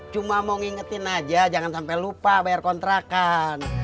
cuma mau ngingetin aja jangan sampai lupa bayar kontrakan